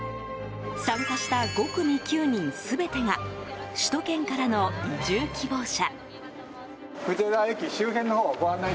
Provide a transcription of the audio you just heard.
参加した５組９人全てが首都圏からの移住希望者。